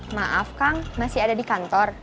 maaf kang masih ada di kantor